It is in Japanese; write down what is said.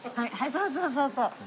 そうそうそうそう。